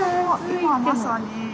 今まさに。